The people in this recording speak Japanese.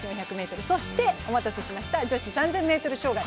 そして、お待たせしました女子３０００ｍ障害